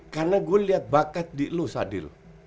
karena gue liat bakat di lu sadil